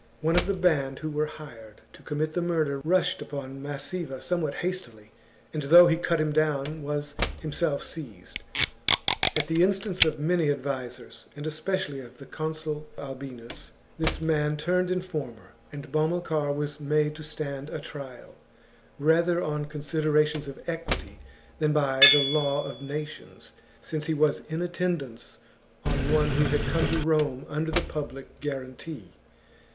One of the band who were hired to commit the murder rushed upon Mas siva somewhat hastily, and though he cut him down, was himself seized. At the instance of many advisers, and especially of the Consul Albinus, this man turned informer, and Bomilcar was made to stand a trial, l62 THE JUGURTHINE WAR. CHAP, rather on considerations of equity than by the law of nations, since he was in attendance on one who had come to Rome under the public guarantee.